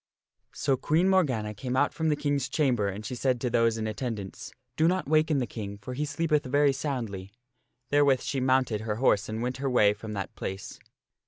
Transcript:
So Queen Morgana came out from the King's chamber and she said to those in attendance, " Do not waken the King, for he sleepeth very soundly." Therewith she mounted her horse and went her way from that place.